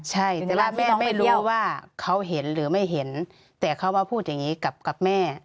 ใช่แต่ว่าแม่ไม่รู้ว่าเขาเห็นหรือไม่เห็นแต่เขามาพูดอย่างนี้กับแม่